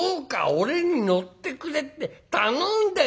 俺に乗ってくれって頼んでんだ」。